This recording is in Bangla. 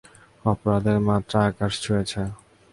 অপরাধের মাত্রা আকাশ ছুঁয়েছে।